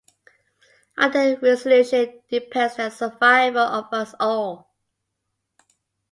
On their resolution depends the survival of us all.